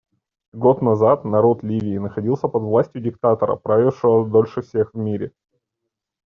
Год назад народ Ливии находился под властью диктатора, правившего дольше всех в мире.